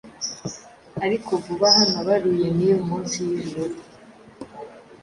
Ariko vuba aha nabaruye neer munsi yijuru